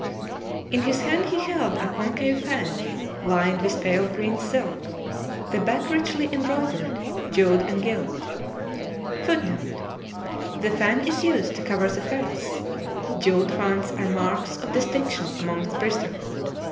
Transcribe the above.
In his hand he held a concave fan, lined with pale green silk, the back richly embroidered, jewelled, and gilt. [Footnote: The fan is used to cover the face. Jewelled fans are marks of distinction among the priesthood.